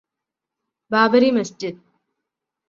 Babri Masjid